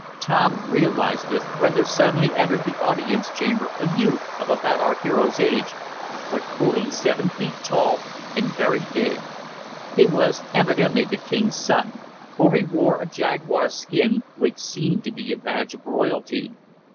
Tom realized this when there suddenly entered the audience chamber a youth of about our hero's age, but fully seven feet tall, and very big. He was evidently the king's son, for he wore a jaguar skin, which seemed to be a badge of royalty.